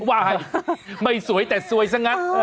ว่าไงไม่สวยแต่สวยซะนะ